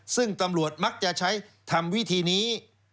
ซึ่งตำรวจมักจะใช้ทำวิธีนี้